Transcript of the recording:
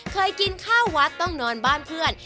เคยกินข้าววัดต้องนอนบ้านเพื่อน